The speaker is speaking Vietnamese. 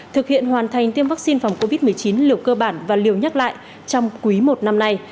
thực hiện hoàn thành tiêm vaccine phòng covid một mươi chín liều cơ bản và liều nhắc lại trong quý i năm nay